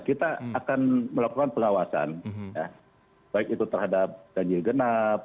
kita akan melakukan pengawasan baik itu terhadap ganjil genap